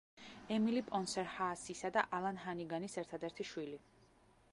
ემილი პონსერ ჰაასისა და ალან ჰანიგანის ერთადერთი შვილი.